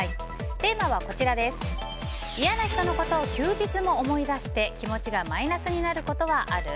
テーマは、嫌な人のことを休日も思い出して気持ちがマイナスになることはある？